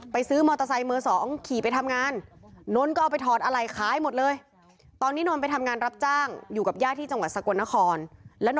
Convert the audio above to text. ไปซื้อมอเตอร์ไซค์เมือ๒